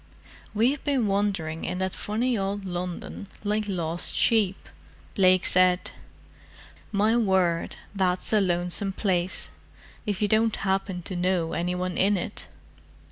"We've been wandering in that funny old London like lost sheep," Blake said. "My word, that's a lonesome place, if you don't happen to know any one in it.